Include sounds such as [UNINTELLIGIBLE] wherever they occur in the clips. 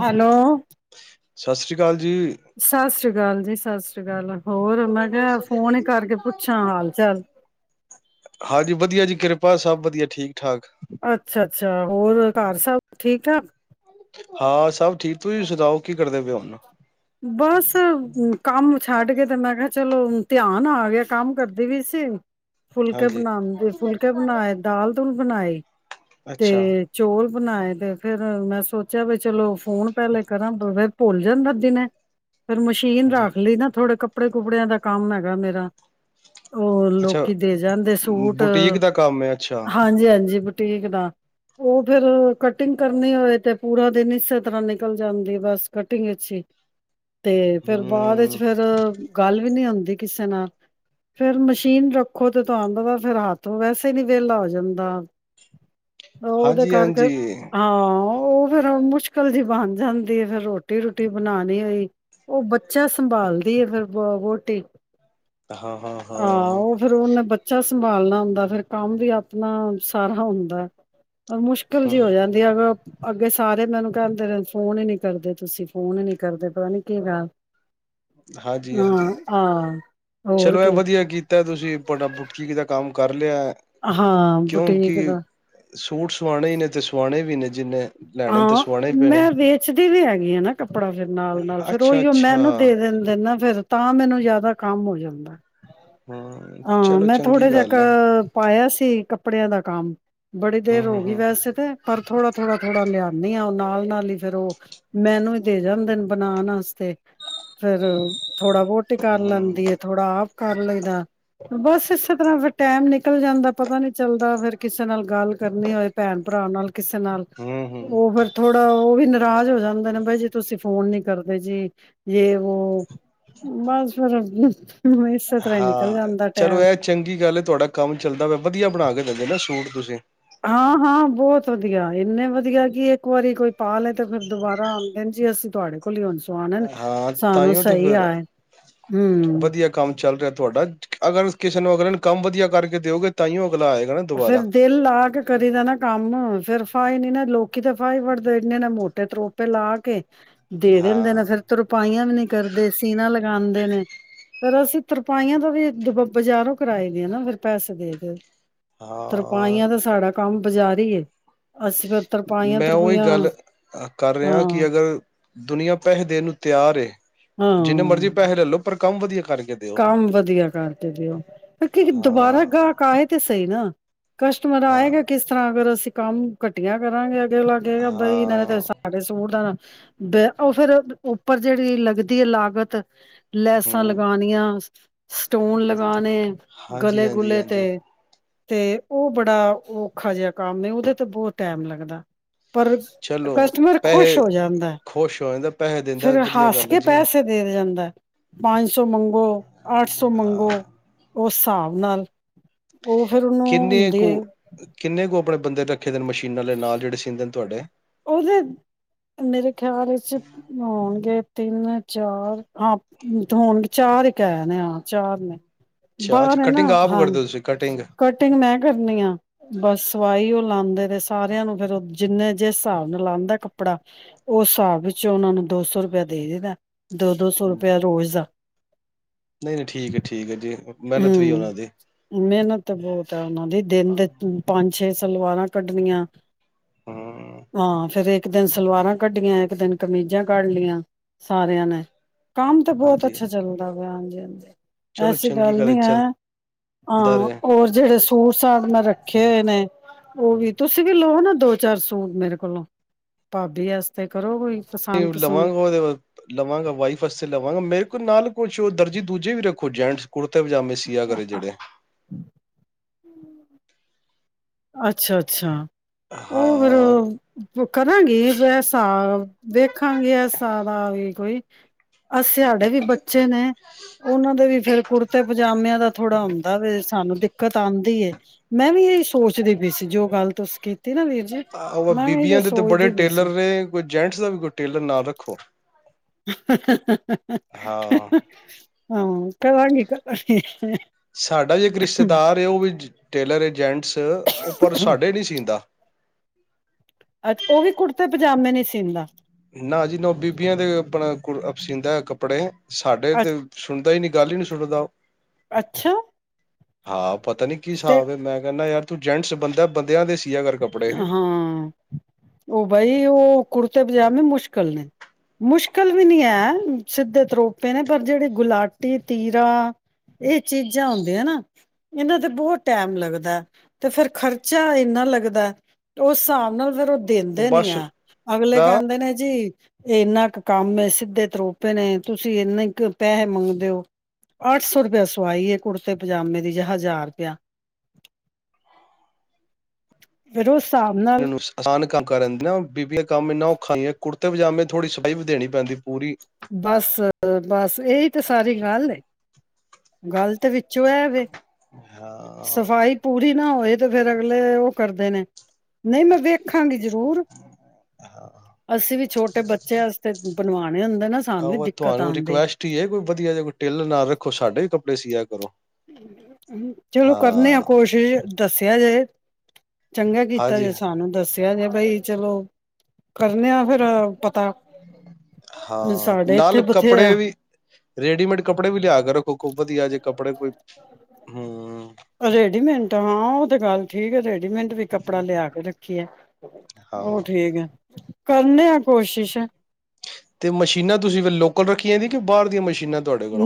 Hello ਸਤਿ੍ਰ ਅਕਾਲ ਜੀ ਸ ਸ਼੍ਰੀ ਸਤੀ ਅਕਾਲ ਜ ਸਤਿ ਸ੍ਰੀ ਅਕਾਲ ਹੋਰ ਮੈਂ ਕਿਹਾ ਫੋਨ ਹੀ ਕਰਕੇ ਪੁੱਛਾਂ ਹਾਲ ਚਾਲ ਹਾਂਜੀ ਵਧੀਆ ਜੀ ਕਿਰਪਾ ਸਭ ਵਧੀਆ ਠੀਕ ਠਾਕ ਅੱਛਾ ਅੱਛਾ ਹੋਰ ਘਰ ਸਬ ਠੀਕ ਠਾਕ ਹਾਂ ਸਭ ਠੀਕ ਤੁਸੀਂ ਸੁਣਾਓ ਕੀ ਕਰਦੇ ਪਓਨੂੰ ਬਸ ਕੰਮ ਛੱਡ ਕੇ ਤੇ ਮੈਂ ਕਿਹਾ ਚਲੋ ਧਿਆਨ ਆ ਗਿਆ ਕੰਮ ਕਰਦੇ ਵੀੇ ਫੁਲਕੇ ਹਾਂਜੀ ਬਣਾਉਦੇ ਫੁਲਕੇ ਬਣਾਏ ਦਾਲ ਦੋਲ ਬਣਾਏ ਤੇ ਅੱਛਾ ਚੋਲ ਬਣਾਏ ਤੇ ਫੇਰ ਮੈਂ ਸੋਚਿਆ ਵੀ ਚਲੋ ਫੋਨ ਪਹਿਲੇ ਕਰਾਂ ਫਿਰ ਭੁੱਲ ਜਾਣ ਬਦੀ ਨੇ ਫੇਿਰ ਮਸ਼ੀਨ ਹਾਂ ਰੱਖ ਲਈ ਨਾ ਥੋੜੇ ਕੱਪ ਕੱਪੜੇ ਕੁਪੜਿਆਂ ਦਾ ਕੰਮ ਹੈਗਾ ਮੇਰਾ ਉਹ ਅੱਛਾ ਲੋਕੀ ਦੇ ਜਾਂਦੇ ਸੂਟ ਬੁਟੀਕ ਦਾ ਕੰਮ ਹੈ ਅੱਛਾ ਹਾਂਜੀ ਹਾਂਜੀ ਟੇਕ ਦਾ, ਉਹ ਫੇਿਰ ਕਟਿੰਗ ਕਰਨੀ ਹੋਵੇ ਤੇ ਪੂਰਾ ਦਿਨ ਇਸੇ ਤਰ੍ਹਾਂ ਨਿਕਲ ਜਾਂਦੀ ਬਸ ਕਟਿੰਗ ਵਿਚ ਹੀ। ਤੇ, ਫੇਿਰ ਬਾਅਦ ਵਿੱਚ ਹਮ ਫੇਿਰ ਗੱਲ ਉਹ ਵੀ ਨੀ ਹੁੰਦੀ ਕਿਸੇ ਨਾਲ ਫੇਿਰ ਮਸ਼ੀਨ ਰੱਖੋ ਤੇ ਤੁਹਾਨੂੰਤਾ ਫੇਿਰ ਹੱਥ ਵੈਸੇ ਨੀ ਵੇਲਾ ਹੋ ਜਾਂਦਾ। ਉਹਦੇ ਹਾਂਜੀ ਕਰਕੇ, ਹਾਂਜੀ ਹਾਂ। ਉਹ ਫੇਰ ਮੁਸ਼ਕਿਲ ਜਿਹੀ ਬਣ ਜਾਂਦੀ ਹੈ, ਫੇਰ ਰੋਟੀ- ਰੂਟੀ ਬਣਾਉਣੀ ਹੋਈ। ਉਹ ਬੱਚਾ ਸੰਭਾਲਦੀ ਏਫਿਰ ਵੋਟੀ। ਹਾਂ ਉਹ ਫੇਿਰ ਉਹਨੇ ਬ ਬੱਚਾ ਸੰਭਾਲਣਾ ਹੁੰਦਾ, ਫਿਰ ਕੰਮ ਵੀ ਆਪਣਾ ਸਾਰਾ ਹੁੰਦਾ। ਮੁਸ਼ਕਿਲ ਜਿਹੀ ਹੋ, ਹਮ ਜਾਂਦੀ ਅਗ ਅੱਗੇ ਸਾਰੇ ਮੈਨੂੰ ਕਹਿੰਦੇ ਫੋਨ ਨੀ ਕਰਦੇ ਤੁਸੀਂ ਫੋਨ ਹੀ ਨੀ ਕਰਦੇ ਪਤਾ ਨੀ ਕਿਦਾ ਹਾਂਜੀ-ਹਾਂਜੀ, ਹੋਰ ਚਲੋ ਇਹ ਕੀ ਵਧੀਆ ਕੀਤਾ ਤੁਸੀਂ ਬੁਟੀਕ ਦਾ ਕੰਮ ਕਰ। ਕਰ ਲਿਆ ਹਾਂ ਬੁਟੀਕ ਕਿਉਂਕਿ ਦਾ ਸੂਟ ਸਵਾਣੇ ਹੀ ਨੇ ਤੇ ਸਵਾਣੇ ਵੀ ਨੇ ਜਿੰਨੇ ਲੈਣੇ ਤੇ ਹਾਂ, ਸਵਾਣੇ ਹੀ ਪੈਣੇ ਮੈਂ ਵੇਚਦੀ ਵੀ ਹੈਗੀ ਆ ਨਾ ਕੱਪੜਾ ਫੇਿਰ ਨਾਲ- ਨਾਲ ਫੇਿਰ ਅੱਛਾ ਉਹੀ ਉਹ ਅੱਛਾ ਮੈਨੂੰ ਦੇ ਦੇਨਦੇ ਹੈਨਾ ਫਿਰ ਤਾਂ ਮੈਨੂੰ ਜਿਆਦਾ ਕੰਮ ਹੋ ਜਾਂਦਾ। ਹਮ ਹਾਂ, ਚਲੋ ਮੈਂ ਚੰਗੀ ਥੋੜਾ ਜਿ ਗੱਲ ਹੈ ਕੁ ਪਾਇਆ ਸੀ। ਕੱਪੜਿਆਂ ਦਾ ਕੰਮ। ਬੜੀ ਹੂੰ ਦੇਰ ਹੋ ਗਈ ਹੂੰ ਵੈਸੇ ਤੇ, ਪਰ ਥੋੜਾ-ਥੋੜਾ-ਥੋੜਾ ਲਿਆ ਨੀ ਉਹ ਨਾਲ-ਨਾਲ ਹੀ ਫੇਰ ਉਹ ਮੈਨੂੰ ਹੀ ਦੇ ਜਾਂਦੇ ਨੇ ਬਣਾਉਣ ਵਾਸਤੇ ਫਿਰ ਥੋੜਾ ਵਹੁੋਟੀ ਕਰ ਹੂੰ ਲੈਂਦੀ ਹੈ। ਥੋੜਾ ਆਪ ਕਰ ਲਈਦਾ। ਬਸ ਇਸੇ ਤਰ੍ਹਾਂ ਫਿਰ ਟੈਮ ਨਿਕਲ ਜਾਂਦਾ ਪਤਾ ਨੀ ਚੱਲਦਾ ਫੇਰ ਕਿਸੇ ਨਾਲ ਗੱਲ ਕਰਨੀ ਹੋਏ ਭੈਣ-ਭਰਾ ਨਾਲ ਕਿਸੇ ਨਾਲ, ਹੂੰ ਹੂੰ ਉਹ ਫਿਰ ਥੋੜਾ ਉਹ ਵੀ ਨਰਾਜ ਹੋ ਜਾਂਦੇ ਨੇ ਬਾਈ ਜੀ ਤੁਸੀਂ ਫੋਨ ਨੀ ਕਰਦੇ ਜੀ ਯੇਹ- ਵੋਹ ਬਸ ਫਿਰ ਹੂੰ ਇਸੇ ਤਰਹਾਂ ਦੀ ਹਾਂ ਚਲੋ, ਇਹ ਚੰਗੀ ਗੱਲ ਹੈ ਤੁਹਾਡਾ ਕੰਮ ਚੱਲਦਾ ਪਿਆ, ਵਧੀਆ ਬਣਾ ਕੇ ਦਿੰਦੇ ਨਾ ਸੂਟ ਤੁਸੀਂ ਹਾਂ-ਹਾਂ ਬਹੁਤ ਵਧਆ ਵਧੀਆ, ਇੰਨੇ ਵਧੀਆ ਕਿ ਇੱਕ ਵਾਰੀ ਕੋਈ ਪਾ ਲੈ ਤੇ ਫਿਰ ਦੁਬਾਰਾ ਆਉਂਦੇ ਨੇ ਜੀ ਅਸੀਂ ਤੁਹਾਡੇ ਕੋਲ ਉਹਨਾਂ ਕੌਲੋ ਸਵਾਣੇ, ਹਾਂ ਸਾਨੂੰ ਤਾਂਹੀਓ ਤੇ ਸਹੀ ਫਿਰ ਆਏ ਹੂੰ ਵਧੀਆ ਕੰਮ ਚੱਲ ਰਿਹਾ ਤੁਹਾਡਾ, ਅਗਰ ਕਿਸੇ ਨੂੰ ਅਗਲੇ ਨੂੰ ਕੰਮ ਵਧੀਆ ਕਰਕੇ ਦਿਓਗੇ ਤਾਂਹੀ ਔ ਫੇਰ ਦਿਲ ਲਾ ਕੇ ਕਰੀ ਦਾ ਨਾਂ ਕੰਮ ਫੇਰ ਫਾਹੇ ਨੀ ਨਾ ਲੋਕੀ ਤਾਂ ਫਾਹੀ ਫੜਦੇ ਇਨੇ ਨਾ ਮੋਟੇ ਤਰੋਪੇ ਲਾ ਕੇ ਦੇ ਦਿੰਦੇ ਹਾਂ ਨੇ ਫਿਰ ਤਰਪਾਈਆਂ ਵੀ ਨੀ ਕਰਦੇ ਸੀਨਾ ਕਰਾਂਦੇ ਨੇ ਫਿਰ ਅਸੀਂ ਤਰਪਾਈਆਂ ਦਾ ਵੀ ਬਜ਼ਾਰੋਂ ਕਰਾਈ ਦੀਆਂ ਨੇ ਫਿਰ ਪੈਸੇ ਦੇ ਕੇ ਹਾਂ ਤਰਪਾਈਆਂ ਤਾਂ ਸਾਡਾ ਕੰਮ ਬਾਜ਼ਾਰੀ ਮੈਂ ਉਹੀ ਗੱਲ ਕਰ ਰਿਹਾ ਕਿ ਹਾਂ ਅਗਰ ਦੁਨੀਆਂ ਪੈਸੇ ਦੇਣ ਨੂੰ ਤਿਆਰ ਏ ਜਿੰਨੇ ਮਰਜ਼ੀ ਹਾਂ ਪੈਸੇ ਲੈ ਲਓ ਪਰ ਕੰਮ ਵਧੀਆ ਕਰਕੇ ਦਿਓ ਕੰਮ ਵਧੀਆ ਕਰਕੇ ਦਿਓ ਕੀ ਦੁਬਾਰਾ ਹਾਂ ਗਾਹਕ ਆਏ ਤੇ ਸਹੀ ਨਾ ਕਸਟਮਰ ਹਾਂ ਆਏਗਾ ਕਿਸ ਤਰ੍ਹਾਂ ਅਗਰ ਅਸੀਂ ਕੰਮ ਘਟੀਆ ਕਰਾਂਗੇ ਅਗਲੇ ਕਿਹੇਗਾ ਬਾਈ ਇਹਨਾਂ ਨੇ ਹਾਂ ਤੇ ਸਾਡੇ ਸੂਟ ਦਾ ਨਾ ਬ ਉਹ ਫੇਰ ਉੱਪਰ ਜਿਹੜੀ ਲੱਗਦੀ ਐ ਲਾਗਤ ਲੈਸਾਂ ਹੂੰ ਲਗਾਣੀ ਸਟੋਨ ਲਗਾਣੇ ਹਾਂਜੀ ਗਲੇ ਹਾਂਜੀ ਗੁਲੇ ਤੇ ਹਾਂਜੀ ਤੇ ਉਹ ਬੜਾ ਔਖਾ ਜਿਹਾ ਕੰਮ ਨੇ ਉਹਦੇ ਤੇ ਬਹੁਤ ਟਾਈਮ ਲੱਗਦਾ ਪਰ ਚਲੋ ਕਸਟਮਰ ਖੁਸ਼ ਪੈਸੇ ਹੋ ਜਾਂਦਾ ਖੁਸ਼ ਹੋ ਜਾਂਦਾ ਪੈਸੇ ਦਿੰਦਾ ਫਿਰ ਵਧੀਆ ਹੱਸ ਗੱਲ ਹੈ ਕੇ ਜੀ। ਪੈਸੇ ਦੇ ਜਾਂਦਾ ਪੰਜ ਸੌ ਮੰਗ ਗੋ ਅੱਠ ਸੌ ਹਾਂ। ਮੰਗੋ। ਉਹ ਹਿਸਾਬ ਨਾਲ ਉਹ ਫਿਰ ਉਹਨੂੰ ਕਿੰਨੇ ਹੁੰਦੀ ਕੁ ਹੈ ਕਿੰਨੇ ਕੁ ਆਪਣੇ ਬੰਦੇ ਤੇ [UNINTELLIGIBLE] ਮਸ਼ੀਨਾਂ ਦੇ ਨਾਲ ਜਿਹੜੇ ਸੀਂਦੇ ਨੇ ਤੁਹਾਡੇ। ਉਹਦੇ ਮੇਰੇ ਖਿਆਲ ਵਿੱਚ ਅ ਹੋਣਗੇ ਤਿੰਨ ਚਾਰ ਹਾਂ ਹੋਣਗੇ ਚਾਰ ਇੱਕ ਹੀ [UNINTELLIGIBLE] ਹਾਂ ਚਾਰ ਨੇ ਅੱਛਾ ਅੱਛਾ ਬਾਹਰ ਹੈ ਨਾ ਕਟਿੰਗ ਆਪ ਹਾਂ ਕਰਦੇ ਹੋ ਤੁਸੀਂ ਕਟਿੰਗ ਕਟਿੰਗ ਮੈਂ ਕਰਨੀ ਆ। ਬਸ ਸਵਾਈ ਉਹ ਲਾਂਦੇ ਤੇ ਸਾਰਿਆਂ ਨੂੰ ਫੇਰ ਜਿੰਨੇ ਜਿਸ ਹਿਸਾਬ ਨਾਲ ਲਾਂਦਾ ਕੱਪੜਾ ਉਸ ਹਿਸਾਬ ਵਿੱਚ ਉਹਨਾ ਨੂੰ ਦੋ ਸੌ ਰੁਪਆ ਦੇ ਦਈਦਾ। ਨਹੀਂ ਨਹੀਂ, ਠੀਕ ਐ ਠੀਕ ਐ ਜੀ। ਮਿਹਨਤ ਵੀ ਉਹਨਾਂ ਹੂੰ, ਦੀ ਮਿਹਨਤ ਤੇ ਬਹੁਤ ਆ ਉਹਨਾਂ ਦੀ ਦਿਨ ਦੇ ਪੰਜ ਛੇ ਸਲਵਾਰਾਂ ਕੱਢਣੀਆਂ। ਹੂੰ ਹਾਂ ਫਿਰ ਇਹ ਇੱਕ ਦਿਨ ਸਲਵਾਰਾਂ ਕੱਢੀਆਂ ਇੱਕ ਦਿਨ ਕਮੀਜ਼ਾਂ ਕੱਢ ਲਈਆਂ ਸਾਰਿਆਂ ਨੇ ਕੰਮ ਤਾਂ ਬਹੁਤ ਹਾਂਜੀ ਅੱਛਾ ਚੱਲਦਾ ਵਾ। ਹਾਂਜੀ, ਹ ਚਲੋ ਅਸੀ ਚੰਗੀ ਗੱਲ ਨੀ ਹੈ ਚੱਲਦਾ ਹਾਂ ਰਿਹਾ ਹੋਰ ਜਿਹੜੇ ਸੂਟ ਸਾਾਂਟ ਮੈਂ ਰੱਖੇ ਹੋਏ ਨੇ ਉਹ ਵੀ, ਤੁਸੀਂ ਵੀ ਲੋ ਨਾ। ਦੋ -ਚਾਰ ਸੂਟ ਮੇਰੇ ਕੋਲੋਂ, ਭਾਬੀ ਵਾਸਤੇ ਕਰੋ ਕੋਈ ਪਸੰਦ ਪਸੰਦ ਲਵਾਂਗਾ ਉਹਦੇ ਲਵਾਂਗਾ, ਵਾਈਫ ਵਸਤੇ ਲਵਾਂਗਾ ਮੇਰੇ ਨਾਲ ਕੁਛ ਦਰਜੀ ਦੂਜੇ ਵੀ ਰ ਜੇੈਂਸ ਕੁੜ ਕੁਰਤੇ -ਪਜਾਮੇ ਸੀਆ ਕਰੇ। ਜਿਹੜੇ ਅੱਛਾ -ਅੱਛਾ। ਉਹ ਹਾਂ ਫੇਰ ਕਰਾਂਗੀ ਵੈਸਾ, ਦੇਖ ਰਖਾਂਗੇ ਇਸ ਸਾਦਾ ਵੀ ਕੋਈ ਅ ਸਿਆਡੇ ਵੀ ਬੱਚੇ ਬੱਚੇ ਨੇ, ਉਹਨਾਂ ਦੇ ਵੀ ਫੇਰ ਕੁੜਤੇ- ਪਜਾਮਿਆਂ ਦਾ ਥੋੜਾ ਦਾ ਵੀ ਸਾਨੂੰ ਦਿੱਕਤ ਆਉਂਦੀ। ਏ ਮੈਂ ਵੀ ਇਹ ਸੋਚਦੇ ਪਈ ਸੀ ਜੋ ਗੱਲ ਤੁਸੀਂ ਨਾ ਵੀਰ ਜੀ ਉਹ ਮੈਂ ਵੀ ਇਹੀਓ ਬੀਬੀਆਂ ਦੇ ਤਾਂ ਬੜੇ ਸੋਚਦੀ ਪਈ ਟੇਲਰ ਸੀ। ਰਹੇ ਕੋਈ ਜੈਂਟਸ ਦਾ ਵੀ ਕੋਈ ਟੇਲਰ ਨਾ ਰੱਖੋ। ਹਾਂ-ਹਾਂ-ਹਾਂ ਹਾਂ, ਹਾਂ ਕਰਾਂਗੀ ਕਰਾਂਗੀ। ਸਾਡਾ ਵੀ ਇੱਕ ਰਿਸ਼ਤੇਦਾਰ ਹੈ ਉਹ ਵੀ ਟੇਲਰ ਏ ਜੈਂਸ ਉਹ ਪਰ ਸਾਡੇ ਨਹੀਂ ਸੀਂਦਾ। ਅੱਛਾ ਉਹ ਵੀ ਕੁੜਤੇ- ਪਜਾਮੇ ਨੀ ਸੀਂਦਾ। ਅਪ ਸੀਂਦਾ ਕੱਪੜੇ ਸਾਡੇ ਤੇ ਸੁਣਦਾ ਹੀ ਨੀ। ਗੱਲ ਹੀ ਨਹੀਂ ਸੁਣਦਾ। ਉਹ ਅੱਛਾ। ਹਾਂ ਪਤਾ ਨੀ ਕੀ ਤੇ ਹਿਸਾਬ ਮੈਂ ਕਹਿੰਦਾ ਯਾਰ ਤੂੰ ਜੈਂਸ ਬੰਦੇ ਬੰਦਿਆਂ ਦੇ ਸੀ। ਹਾਂ, ਉਹ ਬਾਈ, ਉਹ ਕੁੜਤੇ ਮੁਸ਼ਕਿਲ ਨੇ, ਮੁਸ਼ਕਿਲ ਵੀ ਨੀ ਹੈ ਸਿੱਧੇ ਤਰੋਪੇ ਨੇ ਪਰ ਜਿਹੜੀ ਗੁਲਾਟੀ ਤੀਰਾ ਇਹ ਚੀਜ਼ਾਂ ਹੁੰਦੀਆਂ ਨਾ ਇਹਨਾਂ ਤੇ ਬਹੁਤ ਟੈਮ ਲੱਗਦਾ ਤੇ ਫੇਿਰ ਖਰਚਾ ਇੰਨਾ ਲੱਗਦਾ। ਲੱਗਦਾ। ਤੇ ਉਸ ਹਿਸਾਬ ਨਾਲ ਫਿਰ ਉਹ ਦਿੰਦੇ ਨੀ ਆ। ਅਗਲੇ ਦਾ ਕਹਿੰਦੇ ਨੇ ਜੀ ਇਹ ਇੰਨਾ ਕੁ ਕੰਮ ਸਿੱਧੇ ਤਰੋਪੇ ਨੇ ਤੁਸੀਂ ਇੰਨ ਕੁ ਪੈਸੇ ਮੰਗਦੇਓ ਅੱਠ ਸੌ ਰੁਪਇਆ ਸਵਾਈ ਹੈ ਕੁੜਤੇ ਪਜਾਮੇ ਦੀ ਜ ਹਜ਼ਾਰ ਰੁਪਇਆ [UNINTELLIGIBLE] ਹਿਸਾਬ ਨਾਲ ਏਨੂੰ ਆਸਾਨ ਕੰਮ ਕਰਦੀ ਨਾ ਬੀਬੀਆਂ ਕੰਮ ਇਨਾ ਔਖਾਆਂ ਕੁੜ- ਕੁੜਤੇ ਪਜਾਮੇ ਥੋੜ੍ਹੀ ਸਫਾਈ ਵੀ ਦੇਣੀ ਪੈਂਦੀ ਪੂਰੀ ਬਸ ਬਸ ਇਹੀ ਤੇ ਸਾਰੀ ਗੱਲ ਏ, ਗੱਲਤ ਵਿੱਚ ਜੋ ਹੈਵੇ ਹਾਂ ਸਫ਼ਾਈ ਪੂਰੀ ਨਾ ਉਹ ਇਹ ਤੇ ਫੇਰ ਅਗਲੇ ਉਹ ਕਰਦੇ ਨੇ ਨਹੀਂ ਮੈਂ ਵੇਖਾਂਗੀ ਜ਼ਰੂਰ ਹਾਂ ਅਸੀਂ ਵੀ ਛੋਟੇ ਬੱਚਿਆਂ ਵਾਸਤੇ ਬਣਵਾਉਣੇ ਹੁੰਦੇ ਨਾ ਸਾਨੂੰ ਵੀ ਆਹੋ ਦਿੱਕਤ ਤੁਹਾਨੂੰ ਆਉਂਦੀ ਰਿਕੁਐਸਟ ਹੀ ਹੈ ਕੋਈ ਵਧੀਆ ਜਿਹਾ ਕੋਈ ਟੇਲਰ ਨਾਲ ਰੱਖੋ ਸਾਡੇ ਵੀ ਕੱਪੜੇ ਸੀਆ ਕਰੋ ਚਲੋ ਕਰਨੇ ਹਾਂ ਆ ਕੋਸ਼ਿਸ਼ ਦੱਸਿਆ ਜਾੇ ਚੰਗਾ ਕੀਤਾ ਜੇ ਹਾਂਜੀ ਸਾਨੂੰ ਦੱਸਿਆ ਜੇ ਬਈ ਚਲੋ ਕਰਨੇ ਆ ਫੇਰ ਪਤਾ ਹਾਂ ਸਾਡੇ ਇੱਥੇ ਨਾਲ ਕੱਪੜੇ ਬਥੇਰਾ ਵੀ ਰੇਡੀਮੇਡ ਕੱਪੜੇ ਵੀ ਲਿਆ ਕੇ ਰੱਖੋ ਕੋ ਵਧੀਆ ਜੇ ਕੱਪੜੇ ਕੋਈ ਹੂ ਰੇਡੀਮੈਂਟ ਹਾਂ ਤੇ ਗੱਲ ਠੀਕ ਹੈ ਤੇ ਮਟ ਵੀ ਕੱਪੜਾ ਲਿਆ ਕੇ ਕੀ ਹਾਲ ਐ ਹਾਂ ਔ ਠੀਕ ਐ ਕਰਨੇ ਆ ਕੋਸ਼ਿਸ਼ ਤੇ ਮਸ਼ੀਨਾਂ ਤੁਸੀਂ ਲੋਕਲ ਰੱਖੀਆਂ ਸੀ ਕਿ ਬਾਹਰ ਦੀਆਂ ਮਸ਼ੀਨਾ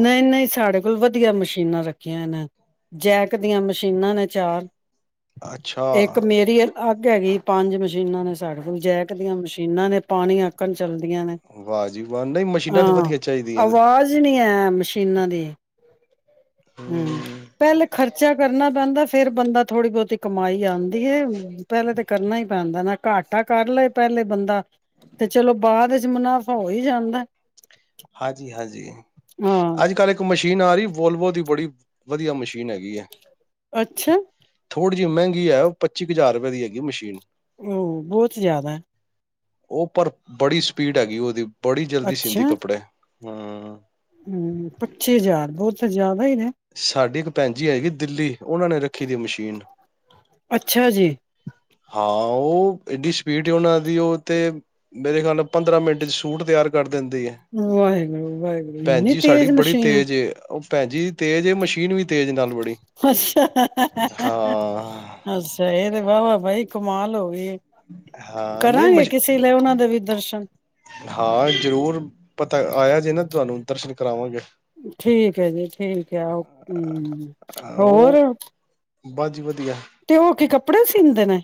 ਨਹੀਂ ਨਹੀਂ ਸਾਡੇ ਕੋਲ ਵਧੀਆ ਮਸ਼ੀਨਾਂ ਰੱਖ ਕੇਹਾ ਨਾ ਜੈਕ ਦੀਆਂ ਮਸ਼ੀਨਾਂ ਨੇ ਚਾਰ ਅੱਛਾ ਅੱਕ ਹੈਗੀ ਪੰਜ ਮਸ਼ੀਨਾਂ ਨੇ ਸਾਡੇ ਕੋਲ ਜੈਕ ਦੀਆਂ ਮਸ਼ੀਨਾਂ ਨੇ ਪਾਣੀ ਆਕਣ ਚੱਲਦੀਆਂ ਨੇ ਵਾਹਜੀ ਵਾਹ ਨਹੀਂ ਮਸ਼ੀਨਾਂ ਤੇ ਹਾਂ ਵਧੀਆ ਚਾਹੀਦੀਆਂ ਤੇ ਆਵਾਜ਼ ਹੀ ਨਹੀਂ ਮਸ਼ੀਨਾਂ ਦੀ ਹੂੰ ਹੂ ਪਹਿਲੇ ਖਰਚਾ ਕਰਨਾ ਪੈਂਦਾ ਫੇਰ ਬੰਦਾ ਥੋੜੀ ਬਹੁਤੀ ਕਮਾਈ ਆਉਂਦੀ ਹੈ ਪਹਿਲੇ ਤਾਂ ਕਰਨਾ ਹੀ ਪੈਂਦਾ ਨਾ ਘਾਟਾ ਕਰ ਲਏ ਪਹਿਲੇ ਬੰਦਾ ਤੇ ਚਲੋ ਬਾਅਦ ਵਿੱਚ ਮੁਨਾਫ਼ਾ ਹੋ ਹੀ ਜਾਂਦਾ ਹਾਂਜੀ ਹਾਂਜੀ ਹਾਂ ਅੱਜ ਕੱਲ੍ਹ ਇੱਕ ਮਸ਼ੀਨ ਆ ਰਹੀ ਵੋਲਵੋ ਦੀ ਬੜੀ ਵਧੀਆ ਮਸ਼ੀਨ ਹੈਗੀ ਹੈ ਅੱਛਾ ਥੋੜੀ ਮਹਿੰਗੀ ਹੈ ਉਹ ਪੱਚੀ ਕੁ ਹਜ਼ਾਰ ਰੁਪਏ ਦੀ ਹੈਗੀ ਮਸ਼ੀਨ ਹੋ ਬਹੁਤ ਜ਼ਿਆਦਾ ਉਹ ਪਰ ਬੜੀ ਸਪੀਡ ਹੈਗੀ ਉਹਦੀ ਬੜੀ ਜਲਦੀ ਸੀਂਦੀ ਕਪ ਹਾਂ ਹੂੰ ਪੱਚੀ ਹਜ਼ਾਰ ਬਹੁਤ ਜਿਅ ਸਾਡੇ ਇੱਕ ਭੈਣ ਜੀ ਹੈਏਗੀ ਦਿੱਲੀ ਉਹਨਾਂ ਨੇ ਰੱਖੀ ਦੀ ਮਸ਼ੀਨ, ਅੱਛਾ ਜੀ ਹਾਂ ਉਹ ਏਡੀ ਸਪੀਡ ਉਹਨਾਂ ਦੀ ਉਹ ਤੇ ਮੇਰੇ ਖਿਆਲ ਨਾਲ ਪੰਦਰਾਂ ਮਿੰਟ 'ਚ ਸੂਟ ਤਿਆਰ ਕਰ ਦਿੰਦੀ ਹੈ ਵਾਹਿਗੁਰੂ- ਵਾਹਿਗੁਰੂ ਭੈਣ ਇੰਨੀ ਜੀ ਸਾਡੀ ਤੇਜ਼ ਬੜੀ ਮਸ਼ੀਨ ਏ। ਤੇਜ਼ ਉਹ ਭੈਣ ਜੀ। ਤੇ ਜੇ ਮਸ਼ੀਨ ਵੀ ਤੇਜ਼ ਨਾਲ ਬੜੀ ਅੱਛਾ ਹਾਂ [INAUDIBLE] ਇਹ ਤੇ ਵਾਹਵਾ ਬਈ ਮਾਲ ਹੋ ਗਈ। ਹਾਂ ਨਹੀਂ ਕਰਾਂਗੇ ਮਸ਼ ਕਿਸੇ ਲਈ ਉਹਨਾਂ ਦੇ ਵੀ ਦਰਸ਼ਨ ਹਾਂ ਜ਼ਰੂਰ ਪਤਾ ਆਇਆ ਜੇ ਨਾ ਤੁਹਾਨੂੰ ਦਰ ਕਰਾਵਾਂਗੇ। ਠੀਕ ਹੈ ਜੀ ਠੀਕ ਕਿਆ ਉਹ ਹੂੰ ਹੋਰ ਉਹ ਬਸ ਜੀ ਵਧੀਆ। ਤੇ ਹੋ ਕੇ ਕੱਪੜੇ ਸੀਂਦੇ ਨੇ।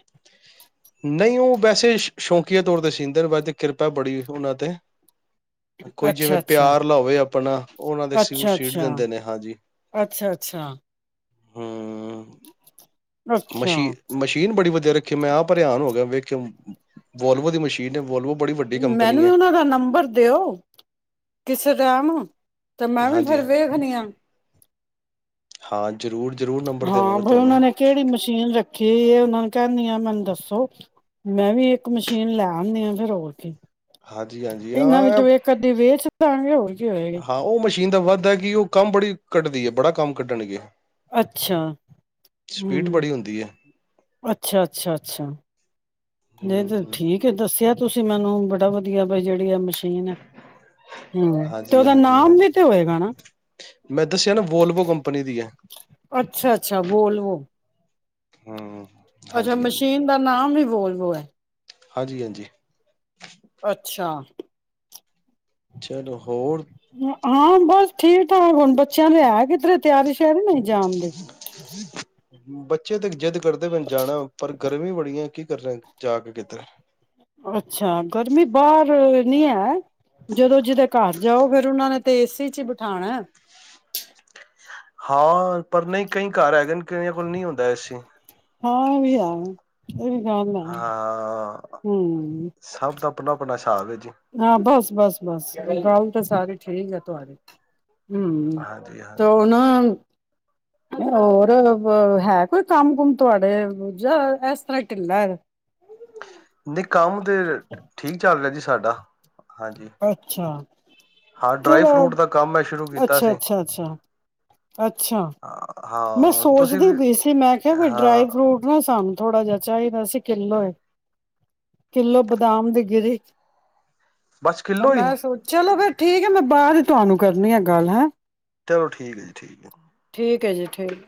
ਨਹੀਂ ਉਹ ਵੈਸੇ ਸ਼ੌਕੀਆਂ ਤੌਰ ਤੇ ਸੀਂਦੇ ਨੇ ਵੈਸੇ ਕਿਰਪਾ ਬੜੀ ਉਹਨਾਂ ਤੇ ਕੋਈ ਜਿਵੇਂ ਅੱਛਾ, ਅੱਛਾ। ਪਿਆਰ ਲਾਵੇ ਆਪਣਾ ਉਹ ਉਹਨਾਂ ਦੇ ਸਊਟ ਅੱਛਾ, ਸ਼ੀਟ ਅੱਛਾ, ਦਿੰਦੇ ਨੇ ਹਾਂਜੀ ਅੱਛਾ, ਅੱਛਾ, ਹਾਂ ਮਸ਼ੀ ਅੱਛਾ। ਮਸ਼ੀਨ ਬੜੀ ਵਧੀਆ ਰੱਖੀ। ਕਿ ਮੈਂ ਆਪ ਹੈਰਾਨ ਹੋ ਗਿਆ ਵੇਖ ਵੋਲਵੋ ਦੀ ਮਸ਼ੀਨ ਵੋਲਵੋ ਬੜੀ ਵੱਡੀ ਮੈਨੂੰ ਕੰਪਨੀ ਵੀ ਹੈ ਉਹਨਾਂ ਦਾ ਨੰਬਰ ਦਿਓ ਕਿਸੇ [UNINTELLIGIBLE] ਤੇ ਮੈਂ ਵੀ ਹਾਂਜੀ ਫੇਰ ਵੇਖਣੀ ਆ। ਹਾਂ ਜ਼ਰੂਰ ਜ਼ਰੂਰ ਨੰਬਰ ਹਾਂ ਦੇਵਾਂਗਾ ਬਈ ਤੁਹਾਨੂੰ ਉਹਨਾਂ ਨੇ ਕਿਹੜੀ ਮਸ਼ੀਨ ਰੱਖੀ ਇਹ ਉਹਨਾਂ ਨੂੰ ਕਹਿੰਦੀ ਆ ਮੈ ਦੱਸੋ ਮੈਂ ਵੀ ਇੱਕ ਮਸ਼ੀਨ ਲੈ ਆਉਂਦੀ ਆਂ ਫਿਰ ਹੋਰ ਕੀ ਹਾਂਜੀ ਹਾਂਜੀ ਇਹਨਾਂ ਹਾਂ ਵਿੱਚੋਂ ਇੱਕ ਅੱਧੀ ਵੇ ਹਾਂ ਹੋ [UNINTELLIGIBLE] ਹਾਂ ਉਹ ਮਸ਼ੀਨ ਦਾ ਵੱਧ ਕਿ ਉਹ ਕੰਮ ਬੜੀ ਕੱਟਦੀ ਹੈ ਬੜਾ ਕੰਮ ਕੱਢਣਗੇ। ਅੱਛਾ ਸਪੀਡ ਹੂੰ। ਬੜੀ ਹੁੰਦੀ ਹੈ ਅੱਛਾ ਅੱਛਾ ਅੱਛਾ, ਨਹੀਂ ਤਾਂ ਹੂੰ ਠੀਕ ਐ ਦੱਸਿਆ। ਤੁਸੀਂ ਮੈਨੂੰ ਬੜਾ ਵਧੀਆ ਬਾਈ ਜਿਹੜੀ ਆ ਮ ਹੂੰ ਤੇ ਹਾਂਜੀ ਉਹਦਾ ਹਾਂਜੀ ਨਾਮ ਹਾਂਜੀ ਵੀ ਤੇ ਹੋਏਗਾ ਨਾ ਮੈਂ ਦੱਸਿਆ ਨਾ ਵੋਲਵੋ ਕੰਪਨੀ ਦੀ ਹੈ ਅੱਛਾ ਅੱਛਾ ਬੋਲਵੋ। ਹੂੰ। ਅੱਛਾ ਹਾਂਜੀ ਹਾਂਜੀ ਮਸ਼ੀਨ ਦਾ ਨਾਮ ਵੀ ਬੋਲਵੋ ਐ। ਹਾਂਜੀ ਹਾਂਜੀ। ਅੱਛਾ। ਚਲੋ ਹੋਰ ਹਾਂ ਬਸ ਠੀਕ ਠਾਕ ਹੁਣ ਬੱਚਿਆਂ ਤੇ ਹੈ ਕਿਧਰੇ। ਤਿਆਰੇ ਸ਼ਿਆਰੇ ਨਹੀਂ ਜਾਣਦੇ। [UNINTELLIGIBLE] ਕਰਦੇ ਪਏ ਜਾਣਾ ਪਰ ਗਰਮੀ ਬੜੀ ਐ ਕਿ ਕਰ ਜਾ ਕੇ ਕਿੱਧਰ ਅੱਛਾ ਗਰਮੀ ਬਾਹਰ ਨੀ ਐ। ਜਦੋਂ ਜਿਹਦੇ ਘਰ ਜਾਓ ਫੇਰ ਉਹਨਾ ਨੇ ਤੇ ਏਸੀ ਚ ਹੀ ਬਿਠਾਣਾ। ਹਾਂ, ਪਰ ਨਹੀਂ ਕਈ ਘਰ ਹੈਗੇ ਕਈਆਂ ਕੋਲ ਨਹੀਂ ਹੁੰਦਾ ਏਸੀ। ਹਾਂ, ਇਹ ਵੀ ਹੈ ਇਹ ਵੀ ਗੱਲ ਐ ਹਾਂ। ਹੂੰ। ਆਪਣਾ ਆਪਣਾ ਸਾਬ ਐ। ਜੀ ਹਾਂ, ਬਸ ਬਸ ਬਸ। ਗੱਲ ਤਾਂ ਸਾਰੀ ਠੀਕ ਆ ਤੁਹਾਡੀ। ਹੂੰ ਤੋਂ ਹਾਂਜੀ-ਹਾਂਜੀ ਨਾ। ਹੋਰ ਹੈ ਕੋਈ ਕੰਮ ਕੁਮ ਤੁਹਾਡੇ ਜਾਂ ਇਸ ਤਰ੍ਹਾਂ ਢਿੱਲਾ ਐ। ਨਹੀਂ, ਕੰਮ ਤੇ ਠੀਕ ਚੱਲ ਰਿਹਾ ਜੀ ਸਾਡਾ ਹਾਂਜੀ ਅੱਛਾ। ਹਾਂ ਡਰਾਈ ਕਿਹੜਾ ਫਰੂਟ ਦਾ ਕੰਮ ਮੈਂ ਸ਼ੁਰੂ ਕੀਤਾ ਅੱਛਾ ਸੀ ਅੱਛਾ ਅੱਛਾ ਅੱਛਾ। ਮੈਂ ਹਾਂ। ਤੁਸੀਂ ਸੋਚਦੀ ਵੀ ਪਈ ਸੀ ਮੈਂ ਕਿਹਾ ਵੀ ਡਰਾਈ ਹਾਂ ਫਰੂਟ ਨਾ ਸਾਨੂੰ ਥੋੜਾ ਜਿਹਾ ਚਾਹੀਦਾ ਸੀਂ ਕਿਲੋ। ਕਿੱਲੋ ਬਦਾਮ ਦੇ ਗਿਰੇ [UNINTELLIGIBLE] ਬਸ ਪਰ ਕਿੱਲੋ ਹੀ ਮੈਂ ਸੋਚ ਚਲ ਫਿਰ ਠੀਕ ਹੈ, ਮੈਂ ਬਾਅਦ ਚ ਤੁਹਾਨੂੰ ਕਰਨੀ ਆ ਗੱਲ ਹੈਂ। ਚਲੋ, ਠੀਕ ਹੈ ਜੀ ਠੀਕ ਹੈ। ਠੀਕ ਹੈ ਜੀ। ਠੀਕ